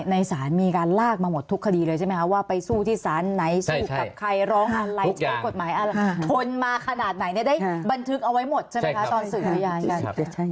ในศาลมีการลากมาหมดทุกคดีเลยใช่ไหมคะว่าไปสู้ที่สารไหนสู้กับใครร้องอะไรใช้กฎหมายอะไรทนมาขนาดไหนเนี่ยได้บันทึกเอาไว้หมดใช่ไหมคะตอนสื่อพยานกัน